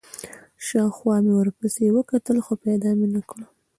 شاوخوا مې ورپسې وکتل، خو پیدا مې نه کړ.